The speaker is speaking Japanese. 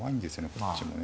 こっちもね。